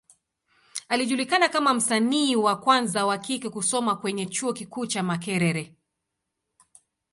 Alijulikana kama msanii wa kwanza wa kike kusoma kwenye Chuo kikuu cha Makerere.